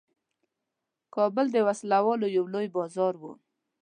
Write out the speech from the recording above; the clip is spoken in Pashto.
کابل د وسلو یو لوی بازار وو.